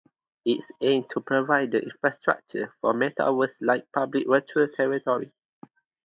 It aims to provide the infrastructure for a metaverse-like public virtual territory.